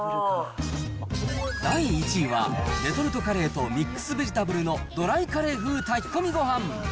第１位は、レトルトカレーとミックスベジタブルのドライカレー風炊き込みご飯。